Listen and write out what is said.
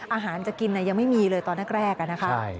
อาหารจะกินยังไม่มีเลยตอนแรกนะคะ